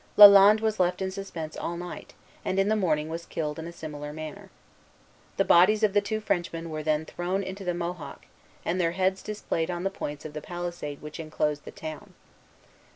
Lalande was left in suspense all night, and in the morning was killed in a similar manner. The bodies of the two Frenchmen were then thrown into the Mohawk, and their heads displayed on the points of the palisade which inclosed the town.